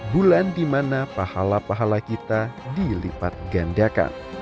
bulan dimana pahala pahala kita dilipat gandakan